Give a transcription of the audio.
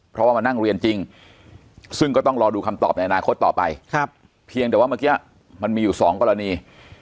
เพราะว่ามานั่งเรียนจริงซึ่งก็ต้องรอดูคำตอบในอนาคตต่อไปเพียงแต่ว่าเมื่อกี้มันมีอยู่สองกรณี